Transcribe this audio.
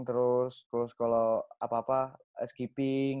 terus kalau apa apa skipping